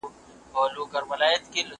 ما مخکي د سبا لپاره د سوالونو جواب ورکړی وو!